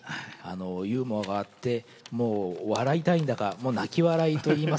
ユーモアがあってもう笑いたいんだかもう泣き笑いといいますか。